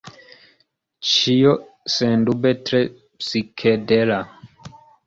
Ĉio sendube tre psikedela.